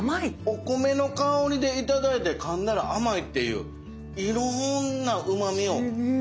お米の香りでいただいてかんだら甘いっていういろんなうまみを。